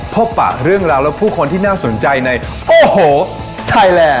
ปะเรื่องราวและผู้คนที่น่าสนใจในโอ้โหไทยแลนด